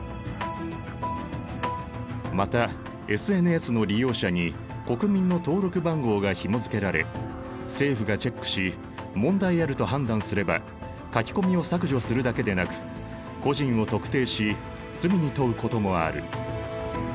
またＳＮＳの利用者に国民の登録番号がひもづけられ政府がチェックし問題あると判断すれば書き込みを削除するだけでなく個人を特定し罪に問うこともある。